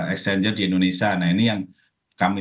exchanger di indonesia nah ini yang kami